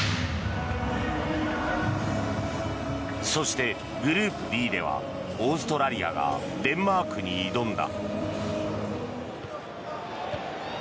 そして、グループＤではオーストラリアがデンマークに挑んだ。